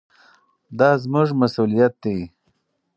دا زموږ مسؤلیت دی.